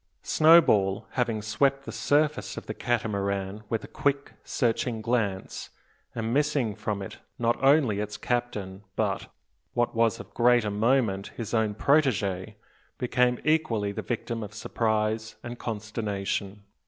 Snowball, having swept the surface of the Catamaran with a quick, searching glance, and missing from it not only its captain, but what was of greater moment his own protege, became equally the victim of surprise and consternation.